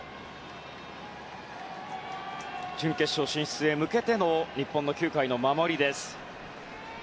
準決勝進出へ向けての日本の９回の守りです。